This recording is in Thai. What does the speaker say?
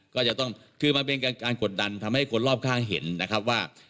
ก็จะต้องคือมันเป็นการกดดันทำให้คนรอบข้างเห็นนะครับว่า